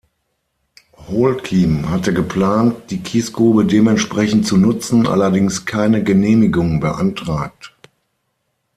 Holcim hatte geplant, die Kiesgrube dementsprechend zu nutzen, allerdings keine Genehmigung beantragt.